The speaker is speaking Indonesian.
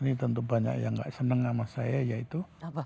ini tentu banyak yang gak senang sama saya yaitu